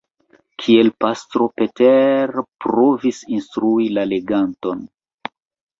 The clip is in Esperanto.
Kiel pastro Peter provis instrui la leganton.